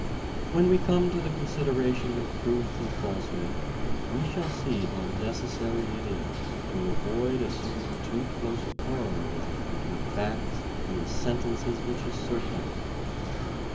When we come to the consideration of truth and falsehood, we shall see how necessary it is to avoid assuming too close a parallelism between facts and the sentences which assert them.